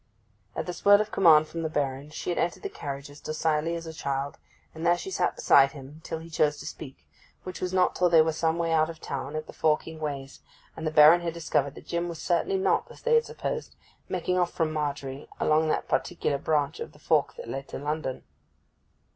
At this word of command from the Baron she had entered the carriage as docilely as a child, and there she sat beside him till he chose to speak, which was not till they were some way out of the town, at the forking ways, and the Baron had discovered that Jim was certainly not, as they had supposed, making off from Margery along that particular branch of the fork that led to London.